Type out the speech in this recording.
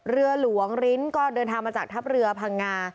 เรือหลวงริ้นก็เดินทางมาจากทัพเรือพังงา